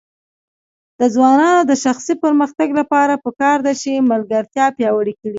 د ځوانانو د شخصي پرمختګ لپاره پکار ده چې ملګرتیا پیاوړې کړي.